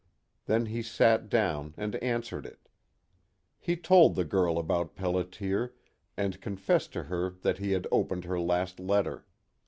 Then he sat down and answered it. He told the girl about Pelliter, and confessed to her that he had opened her last letter.